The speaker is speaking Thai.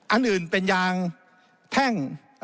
อันอื่นเป็นยางแท่ง